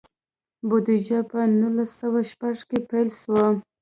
بودیجه په نولس سوه شپږ کې پیل شوه.